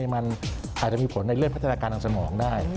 มันอาจจะมีผลในเรื่องพัฒนาการทางสมองได้